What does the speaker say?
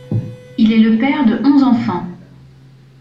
Il est le père de onze enfants.